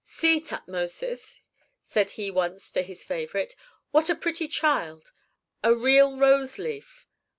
"See, Tutmosis," said he once to his favorite, "what a pretty child: a real rose leaf!